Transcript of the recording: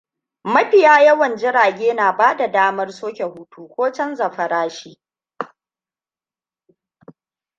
mafiya wan jirage na bada daman soke htu ko chaja farashin.